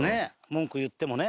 文句言ってもね。